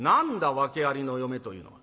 訳ありの嫁というのは？」